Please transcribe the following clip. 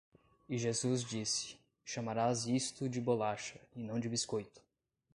E Jesus disse, chamarás isto de bolacha e não de biscoito!